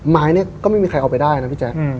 ไม้ก็ไม่มีใครเอาไปได้นะพี่แจ๊